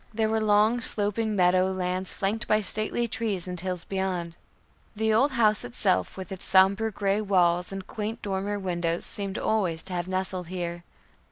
There were long sloping meadow lands flanked by stately trees and hills beyond. The old house itself with its somber gray walls and quaint dormer windows seemed always to have nestled here.